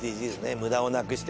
無駄をなくして。